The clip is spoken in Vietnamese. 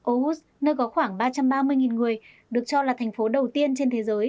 aos nơi có khoảng ba trăm ba mươi người được cho là thành phố đầu tiên trên thế giới